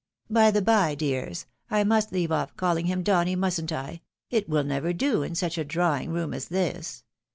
— By the by, dears, I must leave oflf calHng him Donny, musn't I? It will never do in such a drawing room as this.